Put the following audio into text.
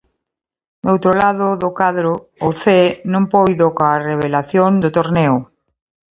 No outro lado do cadro, o Cee non puido coa revelación do torneo.